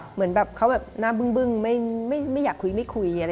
เหมือนแบบเขาแบบหน้าบึ้งไม่อยากคุยไม่คุย